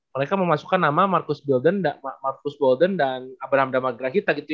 mereka memasukkan nama marcus bolden dan abraham damagrahita gitu ya